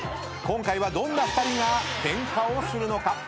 今回はどんな２人がケンカをするのか？